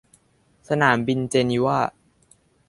สนามบินเจนีวา